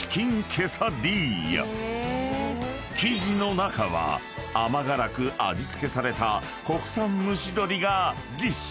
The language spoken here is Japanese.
［生地の中は甘辛く味付けされた国産蒸し鶏がぎっしり！］